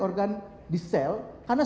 organ di sel karena